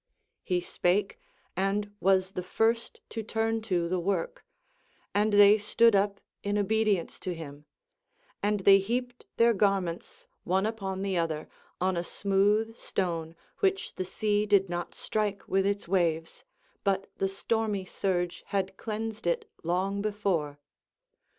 He spake, and was the first to turn to the work, and they stood up in obedience to him; and they heaped their garments, one upon the other, on a smooth stone, which the sea did not strike with its waves, but the stormy surge had cleansed it long before.